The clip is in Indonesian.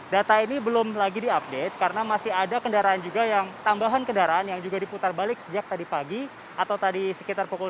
data ini belum lagi diupdate karena masih ada tambahan kendaraan yang juga diputarbalik sejak tadi pagi atau tadi sekitar pukul sepuluh